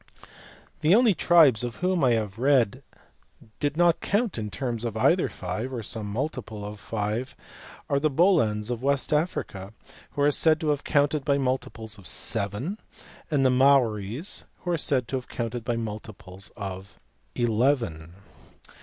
The only tribes of whom I have read who did not count in terms either of five or of some multiple of five are the Bolans of West Africa who are said to have counted by multiples of seven, and the Maories who are said to have counted by multiples of eleven.